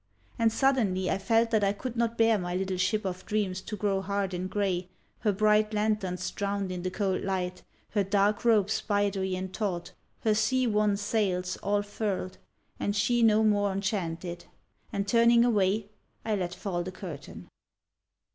And suddenly I felt that I could not bear my little ship of dreams to grow hard and grey, her bright lanterns drowned in the cold light, her dark ropes spidery and taut, her sea wan sails all furled, and she no more en chanted; and turning away I let fall the curtain.